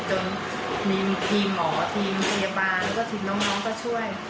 จนมีทีมหมอทีมพยาบาลแล้วก็ทีมน้องก็ช่วย